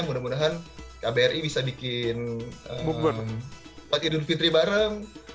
mudah mudahan kbri bisa bikin empat idun fitri bareng